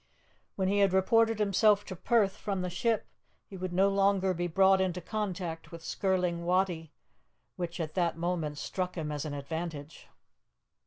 When he had reported himself to Perth from the ship, he would no longer be brought into contact with Skirling Wattie, which at that moment struck him as an advantage.